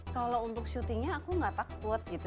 kalau untuk syutingnya aku nggak takut gitu